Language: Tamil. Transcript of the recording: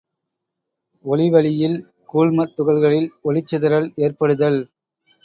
ஒளி வழியில் கூழ்மத் துகள்களில் ஒளிச் சிதறல் ஏற்படுதல்.